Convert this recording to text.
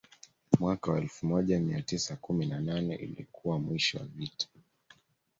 Mwaka wa elfu moja mia tisa kumi na nane ilikuwa mwisho wa vita